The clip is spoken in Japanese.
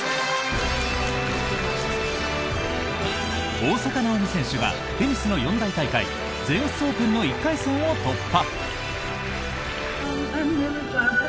大坂なおみ選手がテニスの四大大会全仏オープンの１回戦を突破！